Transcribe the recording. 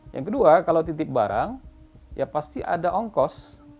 yang kedua kalau titip barang ya pasti ada ongkos